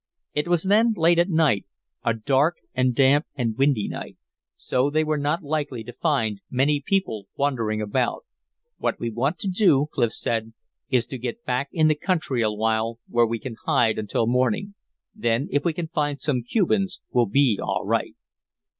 It was then late at night, a dark and damp and windy night; so they were not likely to find many people wandering about. "What we want to do," Clif said, "is to get back in the country a while where we can hide until morning. Then if we can find some Cubans we'll be all right."